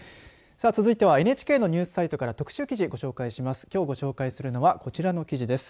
続いてはＮＨＫのニュースサイトから特集記事、ご紹介します。